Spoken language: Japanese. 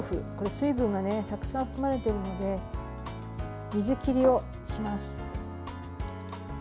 水分がたくさん含まれているので水切りをします。